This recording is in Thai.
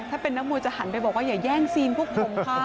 ถ้าเป็นนักมวยจะหันไปบอกว่าอย่าแย่งซีนพวกผมค่ะ